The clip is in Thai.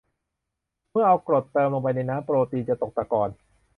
เมื่อเอากรดเติมลงไปในน้ำโปรตีน จะตกตะกอน